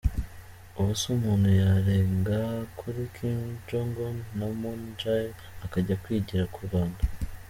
Ubuse umuntu yarenga kuri Kim Jung Un na Moon Jae akajya kwigira ku Rwanda?